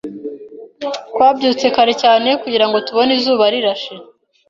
Twabyutse kare cyane kugirango tubone izuba rirashe.